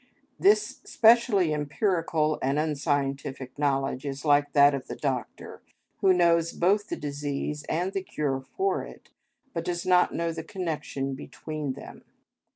This specially empirical and unscientific knowledge is like that of the doctor who knows both the disease and the cure for it, but does not know the connection between them.